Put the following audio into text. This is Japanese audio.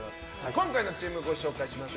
今回のチームご紹介します。